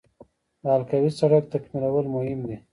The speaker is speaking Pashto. د حلقوي سړک تکمیلول مهم دي